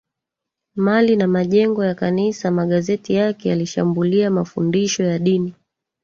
mali na majengo ya Kanisa magazeti yake yalishambulia mafundisho ya dini